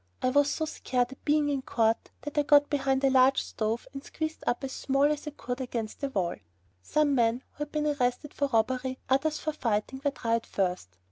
I was so scared at being in court, that I got behind a large stove and squeezed up as small as I could against the wall. Some men who had been arrested for robbery, others for fighting, were tried first.